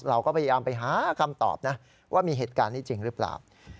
เราก็พยายามไปหาคำตอบนะว่ามีเหตุการณ์นี้จริงหรือเปล่า